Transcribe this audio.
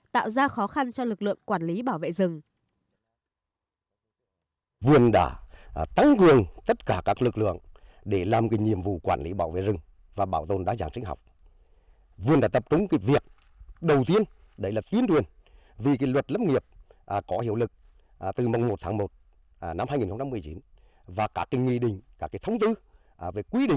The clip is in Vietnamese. tạo ra khó khăn cho lực lượng quản lý